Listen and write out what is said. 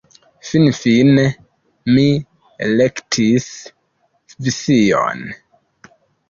Finfine mi elektis Svision.